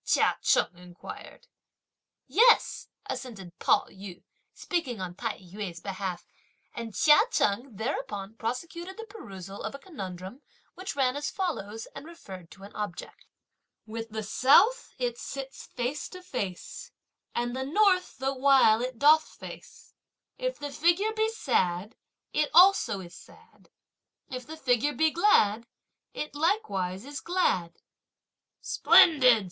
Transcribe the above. Chia Cheng inquired. "Yes!" assented Pao yü, speaking on Tai yü's behalf; and Chia Cheng thereupon prosecuted the perusal of a conundrum, which ran as follows, and referred to an object; With the South, it sits face to face, And the North, the while, it doth face; If the figure be sad, it also is sad, If the figure be glad, it likewise is glad! "Splendid!